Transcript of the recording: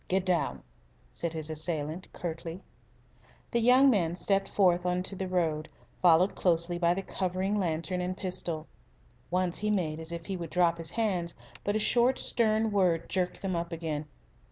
"Get down!" said his assailant, curtly. The young man stepped forth into the road, followed closely by the covering lantern and pistol. Once he made as if he would drop his hands, but a short, stern word jerked them up again.